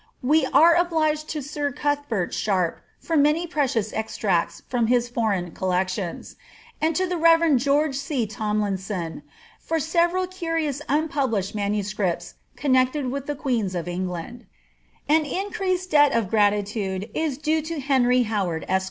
We are obliged to sir Cuthbert Sharp for many precious extracts from bis foreign collections, and to the Reverend George G. Tomlinson for several curious unpabJisbed MSS. connected with the queens of Eng PKBFACB. f. land An increased debt of gratitude is due to Henry Howard, esq.